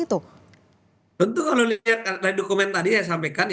tentu kalau lihat dari dokumen tadi yang saya sampaikan